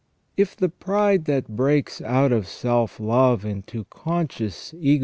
If the pride that breaks out of self love into conscious egotism * S.